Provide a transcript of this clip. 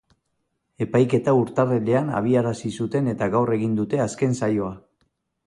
Epaiketa urtarrilean abiarazi zuten eta gaur egin dute azken saioa.